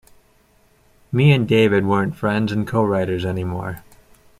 Me and David weren't friends and co-writers anymore.